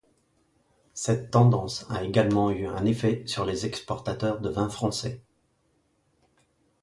Cette tendance a également eu un effet sur les exportateurs de vin français.